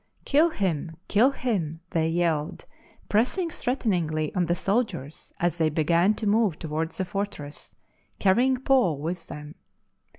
" Kill him ! kill him !" thej/ yelled, pressing threateningly on the soldiers as they began to move towards the fortress, carrying Paul with them.